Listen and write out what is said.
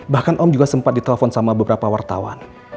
bahkan om juga sempat ditelepon sama beberapa wartawan